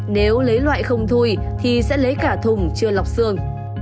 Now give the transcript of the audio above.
nếu lấy loại không thui thì sẽ lấy cả thùng chưa lọc xương